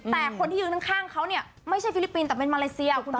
แต่คนที่อยู่ด้านข้างเขาไม่ใช่ฟิลิปปินส์แต่เป็นมาเลเซีย